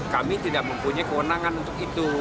kami tidak mempunyai kewenangan untuk itu